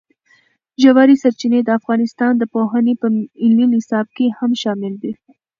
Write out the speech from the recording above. ژورې سرچینې د افغانستان د پوهنې په ملي نصاب کې هم شامل دي.